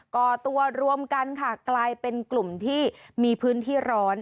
ก่อตัวรวมกันค่ะกลายเป็นกลุ่มที่มีพื้นที่ร้อน